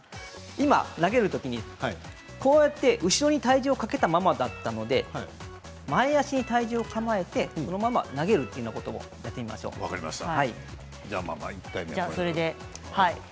今投げるときに後ろに体重をかけたままだったので前足に体重を構えてそのまま投げるというようなことを分かりました。